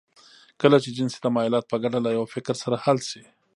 کله چې جنسي تمايلات په ګډه له يوه فکر سره حل شي.